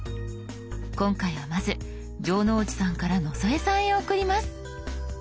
今回はまず城之内さんから野添さんへ送ります。